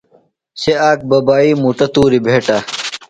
سےۡ آک ببائی مُٹہ تُوریۡ بھیٹہ۔